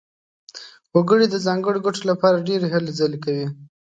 وګړي د ځانګړو ګټو لپاره ډېرې هلې ځلې کوي.